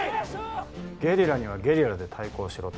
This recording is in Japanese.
ゲリラにはゲリラで対抗しろと？